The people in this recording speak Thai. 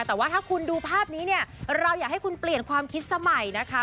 แต่ว่าถ้าคุณดูภาพนี้เนี่ยเราอยากให้คุณเปลี่ยนความคิดสมัยนะคะ